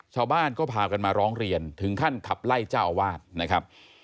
ชาวบ้านก็พากันมาร้องเรียนถึงขั้นขับไล่เจ้าอาวาสนะครับ